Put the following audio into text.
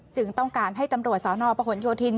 จึงต้องการให้ตำรวจสอนอประขวนโยธิน